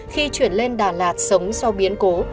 khi chuyển lên đà lạt sống sau biến cố